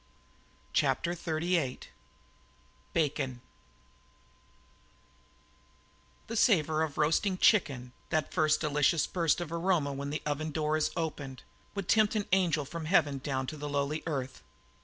CHAPTER XXXVIII BACON The savour of roasting chicken, that first delicious burst of aroma when the oven door is opened, would tempt an angel from heaven down to the lowly earth.